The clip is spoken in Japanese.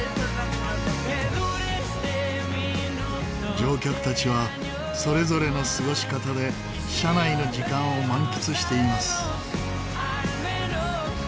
乗客たちはそれぞれの過ごし方で車内の時間を満喫しています。